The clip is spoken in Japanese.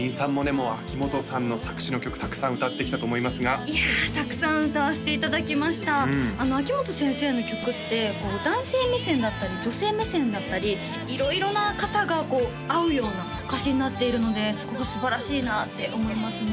もう秋元さんの作詞の曲たくさん歌ってきたと思いますがいやたくさん歌わせていただきました秋元先生の曲って男性目線だったり女性目線だったり色々な方がこう合うような歌詞になっているのでそこがすばらしいなって思いますね